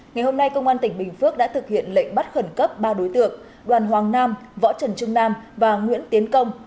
ngày hôm nay công an tỉnh bình phước đã thực hiện lệnh bắt khẩn cấp ba đối tượng đoàn hoàng nam võ trần trung nam và nguyễn tiến công